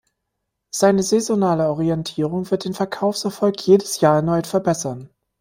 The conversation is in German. Seine saisonale Orientierung wird den Verkaufserfolg jedes Jahr erneut verbessern.